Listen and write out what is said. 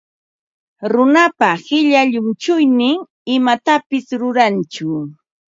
Runapa qilla llunchuynin imatapis rurantsu.